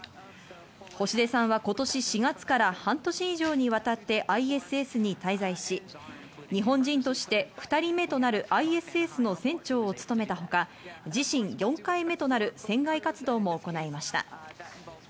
星出さんは今年４月から半年以上にわたってＩＳＳに滞在し、日本人として２人目となるＩＳＳの船長を務めたほか、自身４回目となる船外活動も行いました。